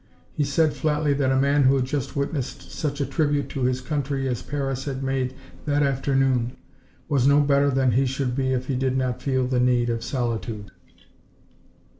He said flatly that a man who had just witnessed such a tribute to his country as Paris had made that afternoon was no better than he should be if he did not feel the need of solitude.